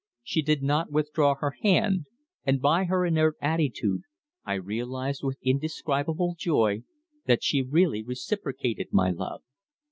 She did not withdraw her hand, and by her inert attitude, I realized with indescribable joy that she really reciprocated my love!